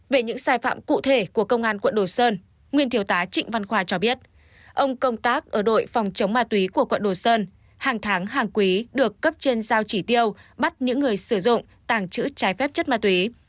về những sai phạm cụ thể của công an quận đồ sơn nguyên thiếu tá trịnh văn khoa cho biết ông công tác ở đội phòng chống ma túy của quận đồ sơn hàng tháng hàng quý được cấp trên giao chỉ tiêu bắt những người sử dụng tàng trữ trái phép chất ma túy